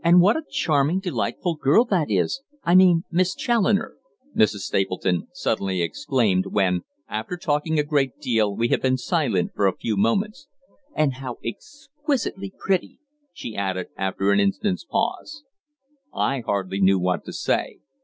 "What a charming, delightful girl that is I mean Miss Challoner," Mrs. Stapleton exclaimed suddenly, when, after talking a great deal, we had been silent for a few moments. "And how exquisitely pretty," she added after an instant's pause. I hardly knew what to say.